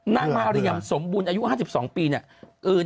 นางมาเรียมสมบูรณ์อายุ๕๒ปีเนี่ย